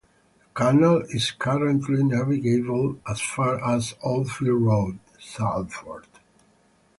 The canal is currently navigable as far as Oldfield Road, Salford.